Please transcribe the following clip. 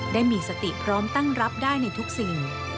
ได้มีสติพร้อมตั้งรับได้ในทุกสิ่ง